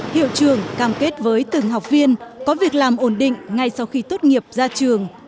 hiệu trường cam kết với từng học viên có việc làm ổn định ngay sau khi tốt nghiệp ra trường